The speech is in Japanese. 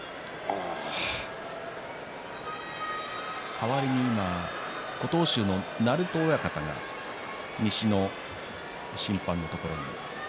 代わりに琴欧洲の鳴戸親方が西の審判のところに。